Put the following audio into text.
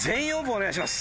お願いします。